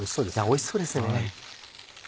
おいしそうですよね。